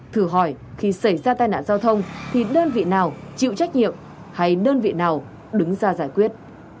thử hỏi khi xảy ra tai nạn giao thông thì đơn vị nào chịu trách nhiệm hay đơn vị nào đứng ra giải quyết